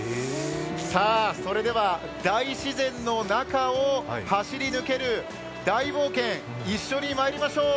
さぁ、それでは大自然の中を走り抜ける大冒険、一緒にまいりましょう。